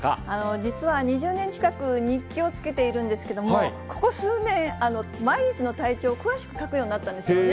実は２０年近く、日記をつけているんですけれども、ここ数年、毎日の体調を詳しく書くようになったんですね。